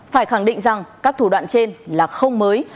phải khẳng định rằng các thủ đoạn trên là không mới